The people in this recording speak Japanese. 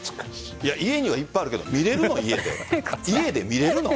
家にはいっぱいあるけど見れるの？